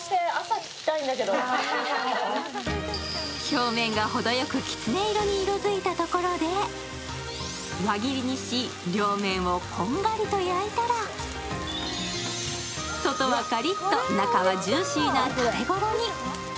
表面がほどよく、きつね色に色づいたところで輪切りにし両面をこんがりと焼いたら外はカリッと、中はジューシーな食べごろに。